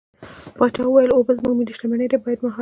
پاچا وويل: اوبه زموږ ملي شتمني ده بايد مهار يې کړو.